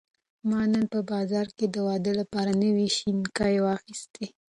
ما نن په بازار کې د واده لپاره نوې شینکۍ واخیستې.